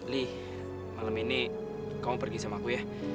li malam ini kamu pergi sama aku ya